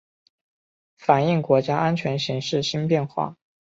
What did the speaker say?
反映国家安全形势新变化